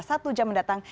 satu jam mendatang